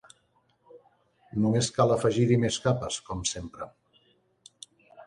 Només cal afegir-hi més capes com sempre.